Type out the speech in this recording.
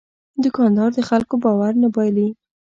دوکاندار د خلکو باور نه بایلي.